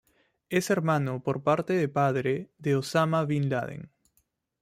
Es hermano por parte de padre de Osama bin Laden.